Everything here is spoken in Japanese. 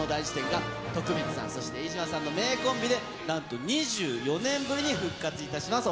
が徳光さん、そして飯島さんの名コンビでなんと２４年ぶりに復活いたします。